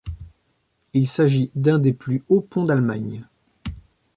Il s'agit d'un des plus hauts ponts d'Allemagne.